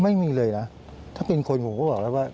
ไม่มีเลยนะถ้าเป็นคนผมก็บอกแล้วว่า